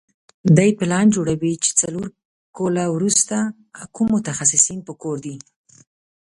دوی پلان جوړوي چې څلور کاله وروسته کوم متخصصین په کار دي.